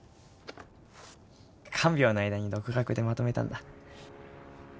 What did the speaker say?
看病の間に独学でまとめたんだ。